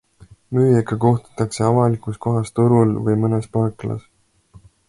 Müüjaga kohtutakse avalikus kohas turul või mõnes parklas.